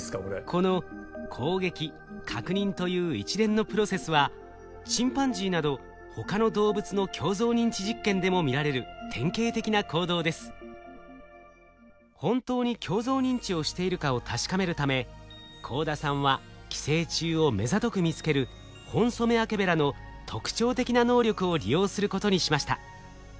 この攻撃確認という一連のプロセスはチンパンジーなど本当に鏡像認知をしているかを確かめるため幸田さんは寄生虫をめざとく見つけるホンソメワケベラの特徴的な能力を利用することにしました。